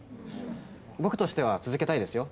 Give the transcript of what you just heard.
僕としては続けたいですよ。